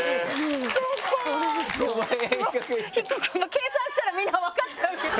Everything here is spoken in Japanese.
計算したらみんな分かっちゃうけど。